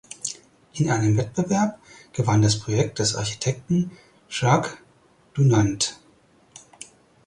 In einem Wettbewerb gewann das Projekt des Architekten Jacques Dunant.